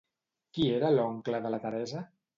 Qui era l'oncle de la Teresa?